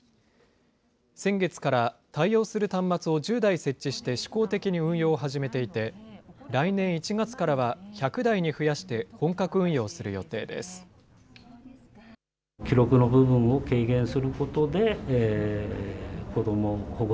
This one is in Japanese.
先月から対応する端末を１０台設置して、試行的に運用を始めていて、来年１月からは１００台に増やして、本格運用する予定です。